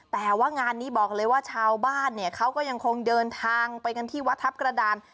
แต่ว่างานนี้บอกเลยว่าชาวบ้านเนี่ยเขาก็ยังคงเดินทางไปกันที่วัดทัพกระดาน